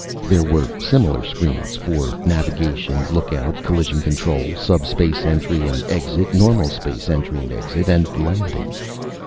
There were similar screens for navigation, lookout, collision control, subspace entry and exit, normal space entry and exit, and landing.